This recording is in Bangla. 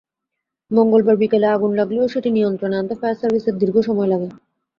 মঙ্গলবার বিকেলে আগুন লাগলেও সেটি নিয়ন্ত্রণে আনতে ফায়ার সার্ভিসের দীর্ঘ সময় লাগে।